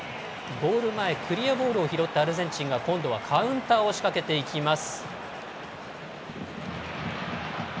ゴール前、クリアボールを拾ったアルゼンチンが今度はカウンターを仕掛けていきます。